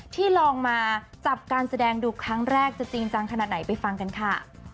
ที่ลองมาจับการแสดงดูครั้งแรกจะจริงจังขนาดไหนไปฟังกันค่ะ